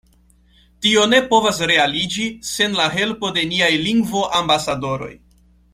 Tio ne povas realiĝi sen la helpo de niaj lingvoambasadoroj.